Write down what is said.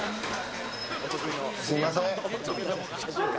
すみません。